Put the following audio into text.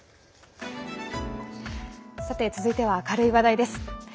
さて、続いては明るい話題です。